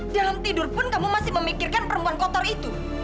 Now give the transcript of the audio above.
dalam tidur pun kamu masih memikirkan perempuan kotor itu